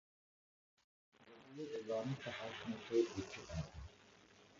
زبور عبرانی صحائف میں سے ایک کتاب ہے